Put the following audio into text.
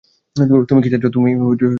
তুমি কি চাচ্ছো?